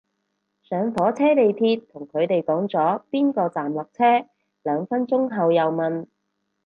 上火車地鐵同佢哋講咗邊個站落車，兩分鐘後又問